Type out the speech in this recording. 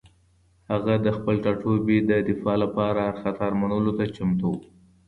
هغه د خپل ټاټوبي د دفاع لپاره هر خطر منلو ته چمتو و.